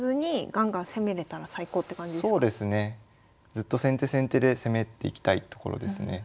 ずっと先手先手で攻めていきたいところですね。